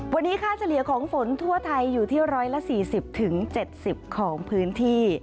วันนี้ค่าเฉลี่ยของฝนทั่วไทยอยู่ที่๑๔๐๗๐ของพื้นที่